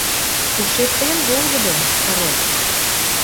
Ушет тыйын волгыдо, Король.